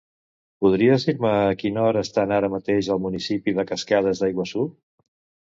Podries dir-me a quina hora estan ara mateix al municipi de Cascades d'Iguaçú?